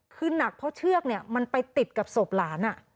คือหนักเพราะเชือกเนี่ยมันไปติดกับศพหลาน